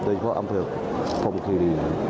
โดยเฉพาะอำเภิกภพมคีรี